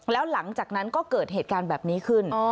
แล้วหลังจากนั้นก็เกิดเหตุการณ์แบบนี้ขึ้น